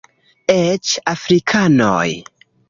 Eĉ afrikanoj!